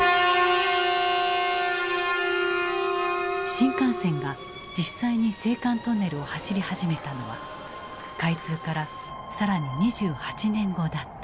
新幹線が実際に青函トンネルを走り始めたのは開通から更に２８年後だった。